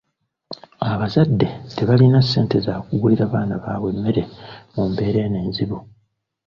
Abazadde tebalina ssente za kugulira baana baabwe mmere mu mbeera eno enzibu.